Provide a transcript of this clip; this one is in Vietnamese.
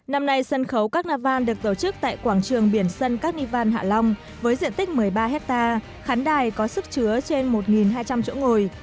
năm nay sân khấu carnival được tổ chức tại quảng trường biển sân carnival hạ long với diện tích một mươi ba hectare khán đài có sức chứa trên một hai trăm linh chỗ ngồi